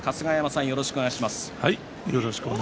よろしくお願いします。